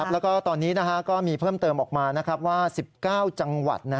แล้วก็ตอนนี้ก็มีเพิ่มเติมออกมาว่า๑๙จังหวัด